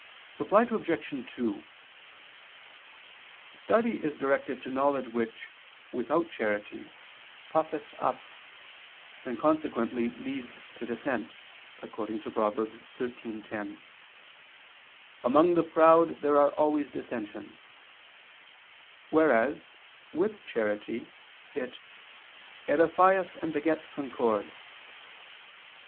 Reply Obj. 2: Study is directed to knowledge which, without charity, "puffeth up," and consequently leads to dissent, according to Prov. 13:10, "Among the proud there are always dissensions": whereas, with charity, it "edifieth and begets concord."